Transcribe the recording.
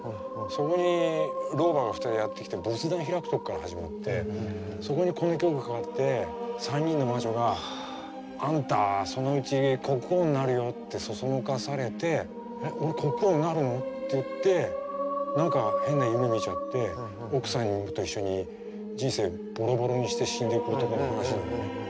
そこに老婆が２人やって来て仏壇開くとこから始まってそこにこの曲がかかって３人の魔女が「あんたそのうち国王になるよ」って唆されて「えっ俺国王になるの？」って言って何か変な夢見ちゃって奥さんと一緒に人生ボロボロにして死んでいく男の話なのね。